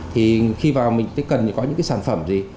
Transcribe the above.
thì khi vào mình cần có những cái sản phẩm gì